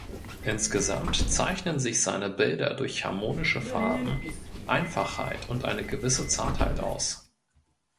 Insgesamt zeichnen sich seine Bilder durch harmonische Farben, Einfachheit und eine gewisse Zartheit aus.